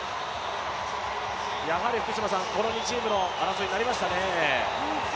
やはり、この２チームの争いになりましたね。